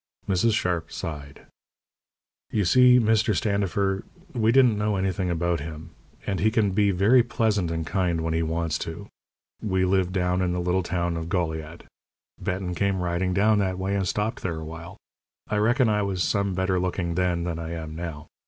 Mrs. Sharp sighed. "You see, Mr. Standifer, we didn't know anything about him, and he can be very pleasant and kind when he wants to. We lived down in the little town of Goliad. Benton came riding down that way, and stopped there a while. I reckon I was some better looking then than I am now.